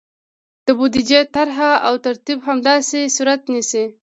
د بودیجې طرحه او ترتیب همداسې صورت نیسي.